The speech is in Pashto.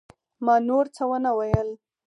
ما نور څه ونه ويل.